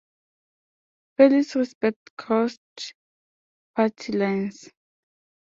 Farley's respect crossed party lines.